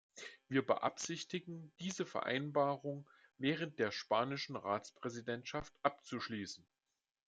Wir beabsichtigen, diese Vereinbarung während der spanischen Ratspräsidentschaft abzuschließen.